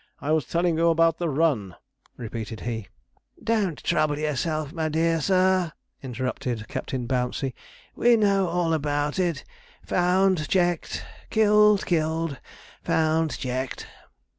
'I was telling you about the run,' repeated he. 'Don't trouble yourself, my dear sir,' interrupted Captain Bouncey; 'we know all about it found checked killed, killed found checked.'